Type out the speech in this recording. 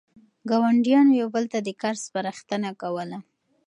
ګاونډیانو یو بل ته د کار سپارښتنه کوله.